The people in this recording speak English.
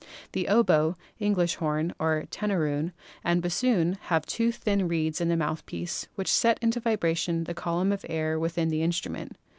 The oboe, English horn (or tenoroon) and bassoon have two thin reeds in the mouth piece which set into vibration the column of air within the instrument.